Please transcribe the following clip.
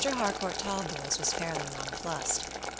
Harcourt Talboys was fairly nonplused.